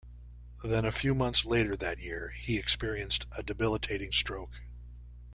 Then, a few months later that year, he experienced a debilitating stroke.